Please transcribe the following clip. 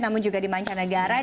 namun juga di mancanegara